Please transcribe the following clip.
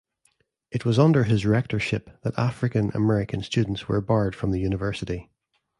It was under his rectorship that African American students were barred from the university.